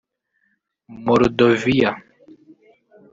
Moldoviya